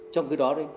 trong cái đó đấy